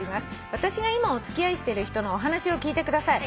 私が今お付き合いしている人のお話を聞いてください。